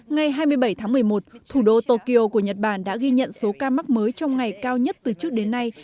ngày hai mươi bảy tháng một mươi một thủ đô tokyo của nhật bản đã ghi nhận số ca mắc mới trong ngày cao nhất từ trước đến nay